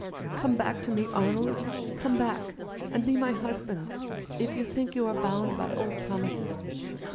" Come back to me, Arnold. Come back, and be my husband, if you think you are bound by old promises.